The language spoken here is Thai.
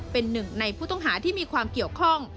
เป็นหนึ่งในผู้ต้องหาที่มีความเกี่ยวข้อง